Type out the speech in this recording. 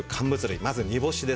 まず煮干しですね。